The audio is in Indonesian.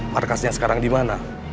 markasnya sekarang dimana